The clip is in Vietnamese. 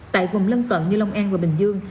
tại vùng lân cận như long an và bình dương